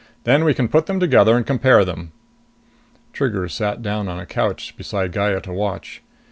"Then we can put them on together, and compare them." Trigger sat down on a couch beside Gaya to watch.